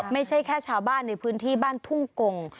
ไม่ใช่แค่ชาวบ้านในพื้นที่บ้านทุ่งกง